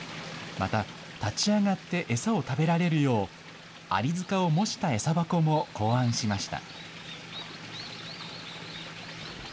また、立ち上がって餌を食べられるよう、アリ塚を模した餌箱も考案しました。